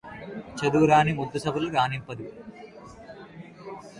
చదువురాని మొద్దు సభల రాణింపదు